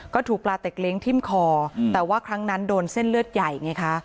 ก็ถูกปลาเต็กเล้งทิ้มคอแต่ว่าครั้งนั้นโดนเส้นเลือดใหญ่ไงคะ